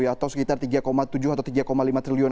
atau sekitar tiga tujuh atau tiga lima triliun